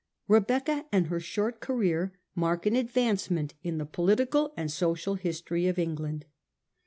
Rebecca and her short career mark an advancement in the political and social history of England.